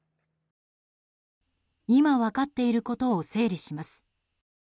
今、分かっていることを整理します。